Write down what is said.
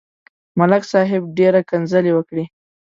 ملک صاحب ډېره کنځلې وکړې.